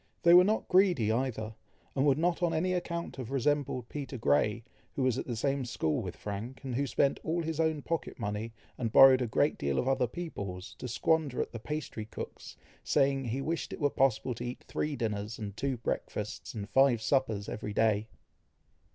They were not greedy either, and would not on any account have resembled Peter Grey, who was at the same school with Frank, and who spent all his own pocket money, and borrowed a great deal of other people's, to squander at the pastry cook's, saying, he wished it were possible to eat three dinners, and two breakfasts, and five suppers every day.